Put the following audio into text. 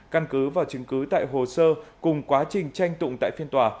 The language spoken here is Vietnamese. căn cứ và chứng cứ tại hồ sơ cùng quá trình tranh tụng tại phiên tòa